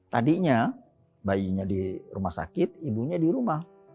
tadinya bayinya di rumah sakit ibunya di rumah